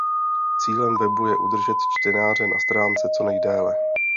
Cílem webu je udržet čtenáře na stránce co nejdéle.